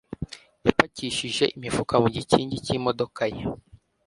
yapakishije imifuka mu gikingi cy'imodoka ye.